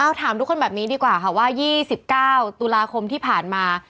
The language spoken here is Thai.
เอาถามทุกคนแบบนี้ดีกว่าค่ะว่า๒๙ตุลาคมที่ผ่านมา